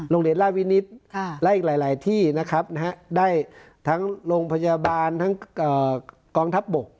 โรงเรียนราชวินิตและอีกหลายที่นะครับได้ทั้งโรงพยาบาลทั้งกองทัพบก